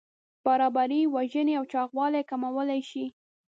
برابري وژنې او چاغوالی کمولی شي.